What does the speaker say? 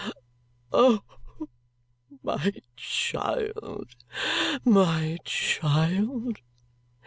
"O my child, my child!